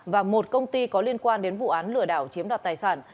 và một công ty có liên quan đến vụ án lừa đảo chiếm đoạt tài sản